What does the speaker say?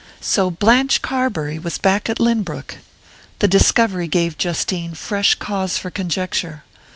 So Blanche Carbury was back at Lynbrook! The discovery gave Justine fresh cause for conjecture.